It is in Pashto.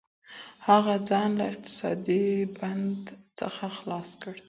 هغې ځان له اقتصادي بند څخه خلاص کړ.